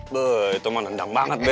be itu mah nendang banget be